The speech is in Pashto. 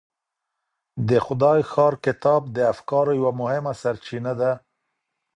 د خدای ښار کتاب د افکارو یوه مهمه سرچینه ده.